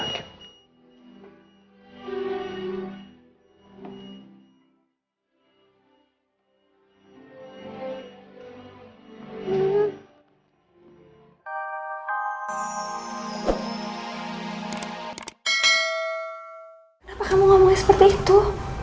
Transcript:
kenapa kamu ngomongin seperti itu